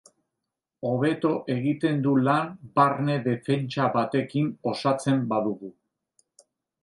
Hobeto egiten du lan barne defentsa batekin osatzen badugu.